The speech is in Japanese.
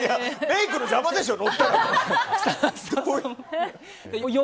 メイクの邪魔でしょ。